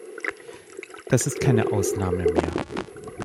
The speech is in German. Das ist keine Ausnahme mehr.